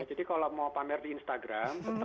jadi kalau mau pamer di instagram